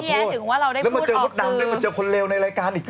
แม่งไลน์พี่แย้ถึงว่าเราได้พูดออกสือแล้วมาเจอพูดดำแล้วมาเจอคนเลวในรายการอีก